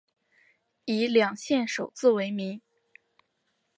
以两县首字为名。